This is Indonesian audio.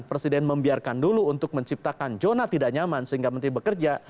presiden membiarkan dulu untuk menciptakan zona tidak nyaman sehingga menteri bekerja